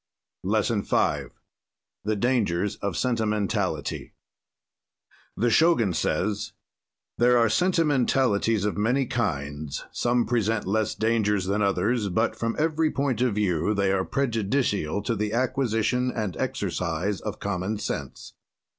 LESSON V THE DANGERS OF SENTIMENTALITY The Shogun says: "There are sentimentalities of many kinds, some present less dangers than others, but from every point of view they are prejudicial to the acquisition and exercise of common sense.